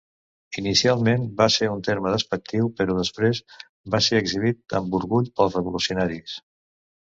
Inicialment, va ser un terme despectiu, però després va ser exhibit amb orgull pels revolucionaris.